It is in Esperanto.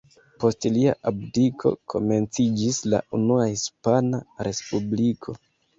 Post lia abdiko, komenciĝis la Unua Hispana Respubliko.